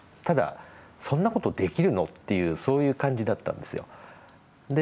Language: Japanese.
ただ、そんなことできるの？ってそういう感じだったんですよ。